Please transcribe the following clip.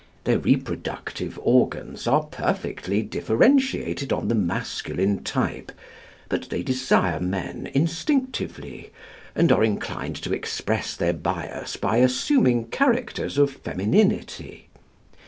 Their reproductive organs are perfectly differentiated on the masculine type; but they desire men instinctively, and are inclined to express their bias by assuming characters of femininity.